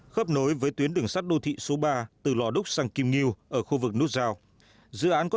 khớp nối với tuyến đường sắt đô thị số ba từ lò đúc sang kim nghiêu ở khu vực nút rào